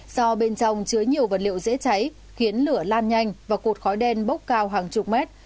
do bên trong chứa nhiều vật liệu dễ cháy khiến lửa lan nhanh và cột khói đen bốc cao hàng chục mét